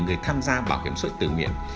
người tham gia bảo hiểm xã hội tự nhiên